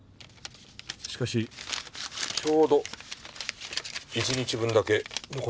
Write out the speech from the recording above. しかしちょうど１日分だけ残っていました。